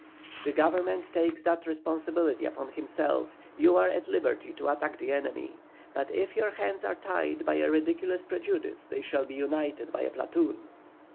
"The Governor takes that responsibility upon himself, you are at liberty to attack the enemy. But if your hands are tied by a ridiculous prejudice they shall be untied by a platoon."